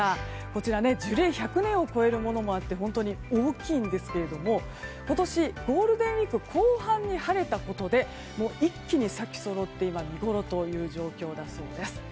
こちら、樹齢１００年を超えるものもあって本当に大きいんですが今年、ゴールデンウィーク後半に晴れたことで一気に咲きそろって今、見ごろという状況だそうです。